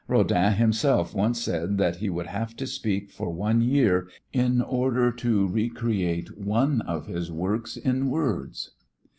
Rodin himself once said that he would have to speak for one year in order to recreate one of his works in words.